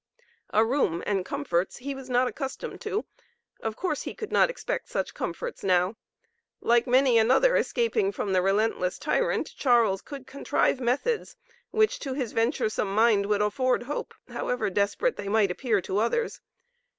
A room and comforts he was not accustomed to. Of course he could not expect such comforts now. Like many another escaping from the relentless tyrant, Charles could contrive methods which to his venturesome mind would afford hope, however desperate they might appear to others.